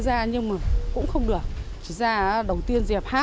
giữa nước pure khẩu vực đ class bốn có tầm hwwww